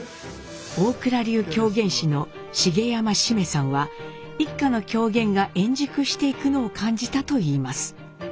大蔵流狂言師の茂山七五三さんは一家の狂言が円熟していくのを感じたといいます。